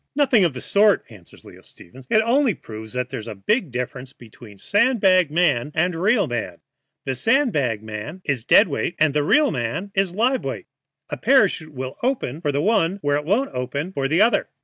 "Nothing of the sort," answers Leo Stevens; "it only proves that there is a big difference between a sand bag man and a real man. The sand bag is dead weight, and the man is live weight. A parachute will open for the one where it won't open for the other."